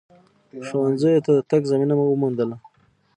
ښونځیو ته د تگ زمینه وموندله